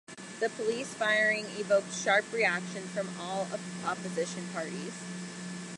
The police firing evoked sharp reaction from all opposition parties.